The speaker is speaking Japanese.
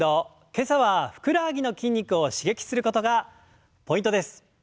今朝はふくらはぎの筋肉を刺激することがポイントです。